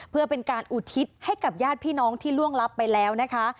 เพื่อเป็นการอุทิศให้กับญาติพี่น้องที่ล่วงลับไปแล้วนะคะ